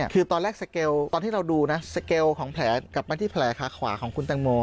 คือตอนแรกสเกลตอนที่เราดูนะสเกลของแผลกลับมาที่แผลขาขวาของคุณตังโม